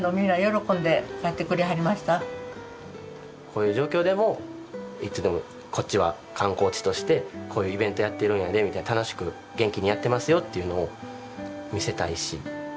こういう状況でもいつでもこっちは観光地としてこういうイベントやってるんやでみたいな楽しく元気にやってますよっていうのを見せたいし。